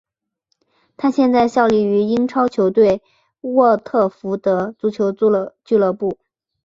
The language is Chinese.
他现在效力于英超球队沃特福德足球俱乐部。